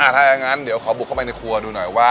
ถ้าอย่างนั้นเดี๋ยวขอบุกเข้าไปในครัวดูหน่อยว่า